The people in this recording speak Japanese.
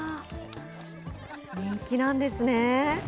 人気なんですね。